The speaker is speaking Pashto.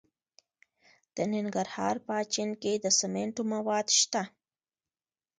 د ننګرهار په اچین کې د سمنټو مواد شته.